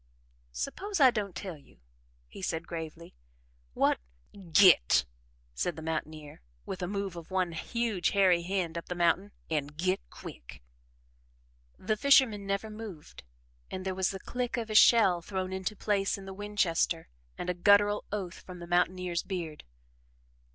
"Suppose I don't tell you," he said gravely. "What " "Git!" said the mountaineer, with a move of one huge hairy hand up the mountain. "An' git quick!" The fisherman never moved and there was the click of a shell thrown into place in the Winchester and a guttural oath from the mountaineer's beard.